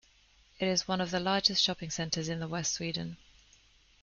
It is one of the largest shopping centers in the west Sweden.